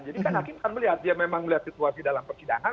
jadi kan hakim kan melihat dia memang melihat situasi dalam persidangan